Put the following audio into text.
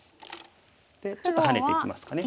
でちょっとハネていきますかね。